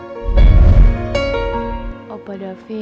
orang yang murah ada di hatimu